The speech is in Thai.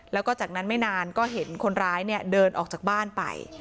แล้วก็จากนั้นไม่นานก็เห็นคนร้ายเดินออกจากบ้านไป